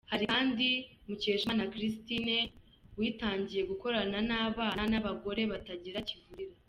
Hari kandi Mukeshimana Christine witangiye gukorana n’abana n’abagore batagira kivurira.